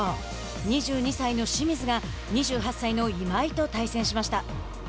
２２歳の清水が２８歳の今井と対戦しました。